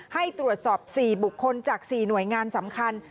ให้ตรวจสอบ๔บุคคลจาก๔หน่วยงานสำคัญ